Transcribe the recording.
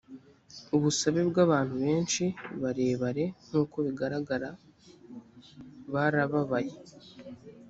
ubusabe bw abantu benshi barebare nk’uko bigaragara barababaye